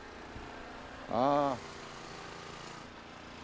ああ。